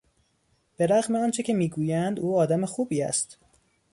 به رغم آنچه که میگویند او آدم خوبی است.